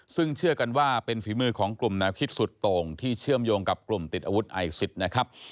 ซึ่งเชื่อกันว่าเป็นฝีมือของกลุ่มแนวคิดสุดโต่งที่เชื่อมโยงกับกลุ่มติดอาวุธไอซิสนะครับ